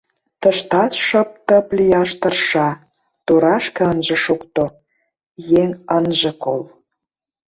Тыштат шып-тып лияш тырша — торашке ынже шокто, еҥ ынже кол.